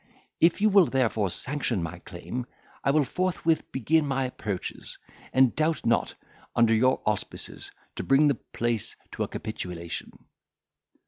If you will therefore sanction my claim, I will forthwith begin my approaches, and doubt not, under your auspices, to bring the place to a capitulation."